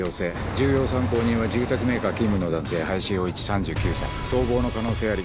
重要参考人は住宅メーカー勤務の男性林洋一３９歳逃亡の可能性あり。